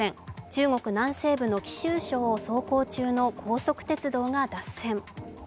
中国南西部の貴州省を走行中の高速鉄道が脱線。